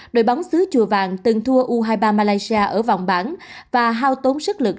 đội bóng xứ chùa vàng từng thua u hai mươi ba malaysia ở vòng bảng và hao tốn sức lực